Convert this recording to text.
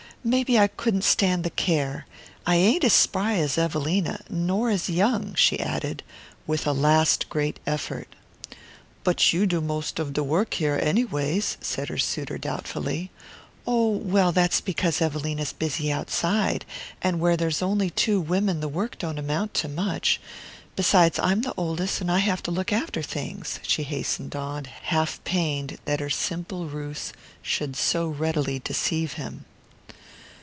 Maybe I couldn't stand the care. I ain't as spry as Evelina nor as young," she added, with a last great effort. "But you do most of de work here, anyways," said her suitor doubtfully. "Oh, well, that's because Evelina's busy outside; and where there's only two women the work don't amount to much. Besides, I'm the oldest; I have to look after things," she hastened on, half pained that her simple ruse should so readily deceive him.